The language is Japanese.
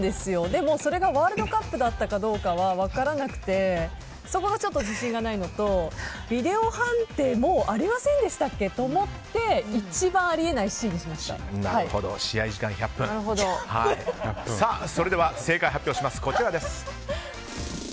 でもそれがワールドカップだったかどうかは分からなくてそこがちょっと自信がないのとビデオ判定はもうありませんでしたっけ？と思ってそれでは正解を発表します。